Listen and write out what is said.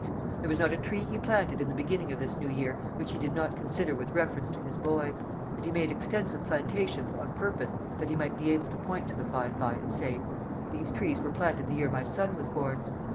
There was not a tree he planted in the beginning of this new year which he did not consider with reference to his boy; and he made extensive plantations on purpose that he might be able to point to them by and by and say, "These trees were planted the year my son was born."